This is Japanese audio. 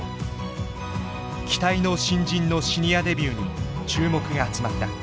期待の新人のシニアデビューに注目が集まった。